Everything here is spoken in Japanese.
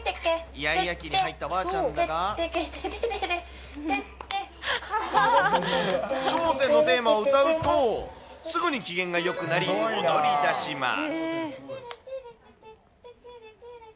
イヤイヤ期に入ったわーちゃんが、笑点のテーマを歌うと、すぐに機嫌がよくなり、踊りだします。